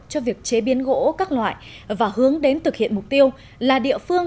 cho việc chế biến gỗ các loại và hướng đến thực hiện mục tiêu là địa phương